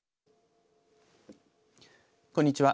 こんにちは。